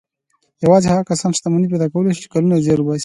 يوازې هغه کسان شتمني پيدا کولای شي چې کلونه زيار باسي.